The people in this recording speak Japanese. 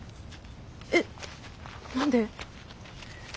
えっ何で？